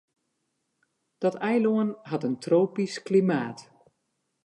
Dat eilân hat in tropysk klimaat.